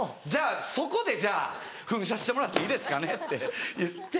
「そこでじゃあ噴射してもらっていいですかね」って言って。